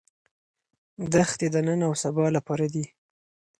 دښتې د نن او سبا لپاره دي.